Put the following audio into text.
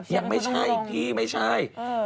ยังไม่ใช่พี่ไม่ใช่